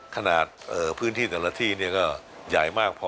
ขนาดพื้นที่แต่ละที่ก็ใหญ่มากพอ